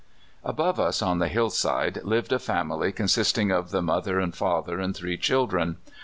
Above us, on the hillside, lived a family consist ing of the mother and father and three children.